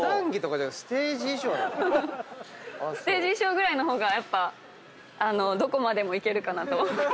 ステージ衣装ぐらいの方がやっぱどこまでもいけるかなと。